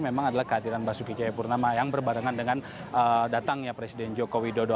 memang adalah kehadiran basuki jayapurnama yang berbarengan dengan datangnya presiden jokowi dodo